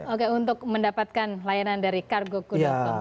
oke untuk mendapatkan layanan dari kargoku com